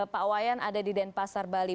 pak wayan ada di denpasar bali